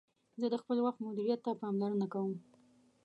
زه د خپل وخت مدیریت ته پاملرنه کوم.